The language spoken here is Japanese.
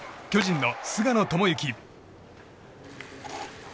巨人の菅野智之。